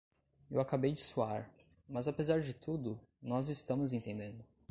Eu acabei de suar, mas apesar de tudo, nós estamos entendendo.